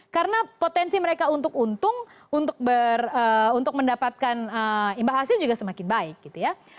karena potensi mereka untuk untung untuk mendapatkan imbang hasil juga semakin baik gitu ya